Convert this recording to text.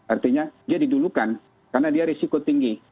artinya dia didulukan karena dia risiko tinggi